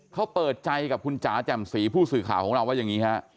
เขาเปิดใจกับคุณจ๋าแจ่มสีผู้สื่อข่าวของเราว่าอย่างนี้ฮะ